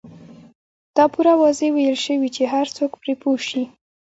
دا پوره واضح ويل شوي چې هر څوک پرې پوه شي.